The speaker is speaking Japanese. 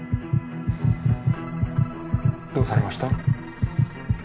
どうされました？